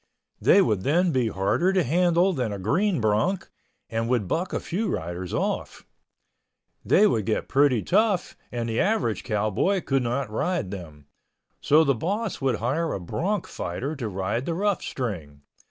They would then be harder to handle than a green bronc and would buck a few riders off. They would get pretty tough and the average cowboy could not ride them. So the boss would hire a bronc fighter to ride the rough string.